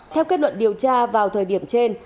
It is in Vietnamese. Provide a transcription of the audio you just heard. theo kết luận điều tra vào thời điểm trên